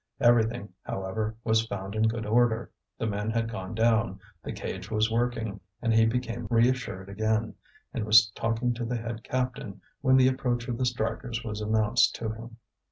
Everything, however, was found in good order. The men had gone down; the cage was working, and he became reassured again, and was talking to the head captain when the approach of the strikers was announced to him.